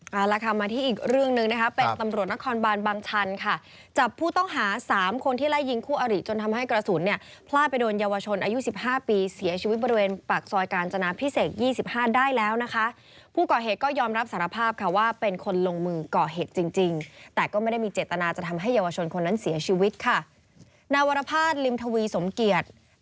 เอาละค่ะมาที่อีกเรื่องนึงนะครับเป็นตำรวจนักคอนบาลบางชันค่ะจับผู้ต้องหา๓คนที่ไล่ยิงคู่อาริจนทำให้กระสุนเนี่ยพลาดไปโดนเยาวชนอายุ๑๕ปีเสียชีวิตบริเวณปากซอยการจนาพิเศษ๒๕ได้แล้วนะคะผู้ก่อเหตุก็ยอมรับสารภาพค่ะว่าเป็นคนลงมือก่อเหตุจริงแต่ก็ไม่ได้มีเจตนาจะทำให้เยาวชนคนนั้นเสี